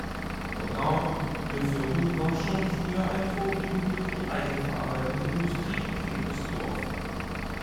Noidans-le-Ferroux war schon früh ein vorwiegend durch die eisenverarbeitende Industrie geprägtes Dorf.